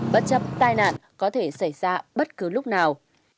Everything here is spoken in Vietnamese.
bất chấp tai nạn có thể xảy ra bất cứ lúc nào